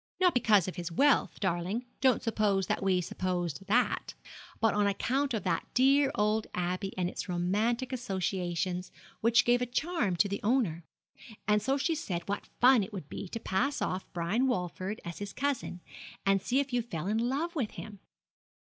Not because of his wealth, darling don't suppose that we supposed that but on account of that dear old Abbey and its romantic associations, which gave a charm to the owner. And so she said what fun it would be to pass off Brian Walford as his cousin, and see if you fell in love with him.